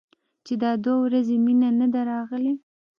چې دا دوه ورځې مينه نه ده راغلې.